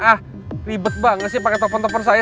ah ribet banget sih pake telfon telfon saya